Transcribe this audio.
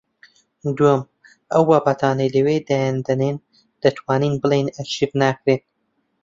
دووەم: ئەو بابەتانەی لەوێ دایان دەنێیت دەتوانین بڵێین ئەرشیف ناکرێن